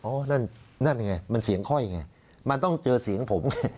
นั่นนั่นไงมันเสียงค่อยไงมันต้องเจอเสียงผมไง